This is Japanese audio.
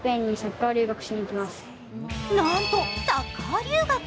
なんとサッカー留学。